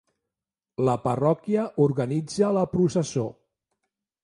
La parròquia organitza la processó.